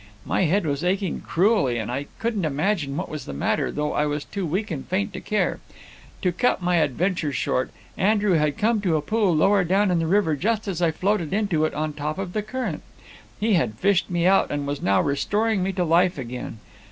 My head was aching cruelly and I couldn't imagine what was the matter, though I was too weak and faint to care. To cut my adventure short, Andrew had come to a pool lower down the river just as I floated into it on top of the current; he had fished me out, and was now restoring me to life again.